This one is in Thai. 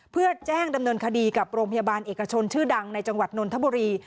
เพื่อแจ้งดำเนินคดีกับโรงพยาบาลเอกชนชื่อดังในจังหวัดนนทบุรี